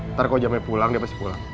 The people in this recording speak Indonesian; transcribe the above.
ntar kalau jamnya pulang dia pasti pulang